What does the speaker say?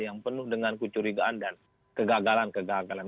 yang penuh dengan kecurigaan dan kegagalan kegagalan